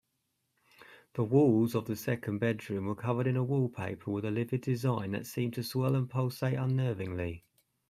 The walls of the second bedroom were covered in a wallpaper with a livid design that seemed to swirl and pulsate unnervingly.